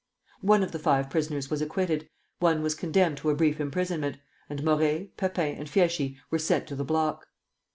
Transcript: One of the five prisoners was acquitted, one was condemned to a brief imprisonment, and Morey, Pepin, and Fieschi were sent to the block.